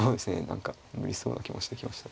何か無理そうな気もしてきました。